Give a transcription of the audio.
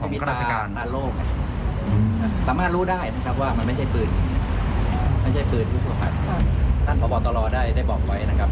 มีตราโลกสามารถรู้ได้ครับว่ามันไม่ใช่ปืนไม่ใช่ปืนท่านพอบอกตลอดได้ได้บอกไว้นะครับ